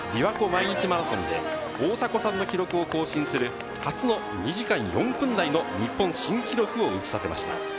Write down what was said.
そして去年のびわ湖毎日マラソンで大迫さんの記録を更新する初の２時間４分台の日本新記録を打ち立てました。